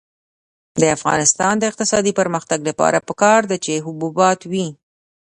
د افغانستان د اقتصادي پرمختګ لپاره پکار ده چې حبوبات وي.